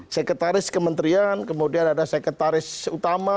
sekretaris kementerian kemudian ada sekretaris utama